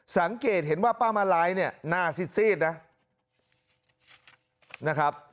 สังเกตเห็นว่าป้ามาลัยเนี่ยหน้าซีดนะนะครับ